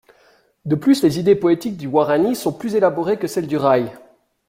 De plus, les idées poétiques du wahrani sont plus élaborées que celles du raï.